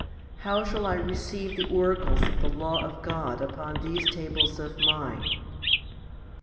How shall I receive the oracles of the law of God upon these tables of mine